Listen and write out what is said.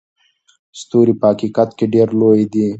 ستوري په حقیقت کې ډېر لوی دي.